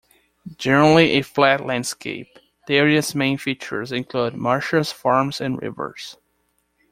Generally a flat landscape, the area's main features include marshes, farms and rivers.